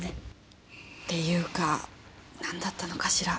っていうかなんだったのかしら。